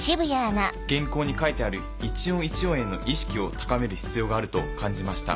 原稿に書いてある一音一音への意識を高める必要があると感じました。